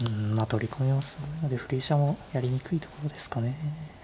取り込みはそのままで振り飛車もやりにくいところですかね。